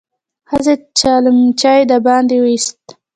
ښځې چلمچي د باندې ويست.